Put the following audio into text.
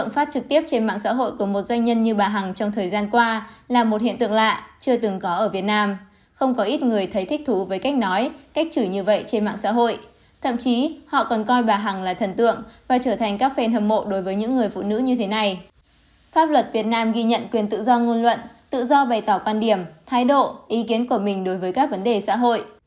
pháp luật việt nam ghi nhận quyền tự do ngôn luận tự do bày tỏ quan điểm thái độ ý kiến của mình đối với các vấn đề xã hội